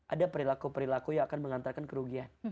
ada perilaku perilaku yang akan mengantarkan kerugian